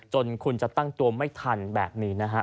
จนคุณจะตั้งตัวไม่ทันแบบนี้นะฮะ